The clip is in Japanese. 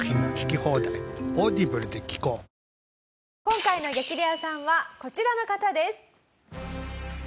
今回の激レアさんはこちらの方です。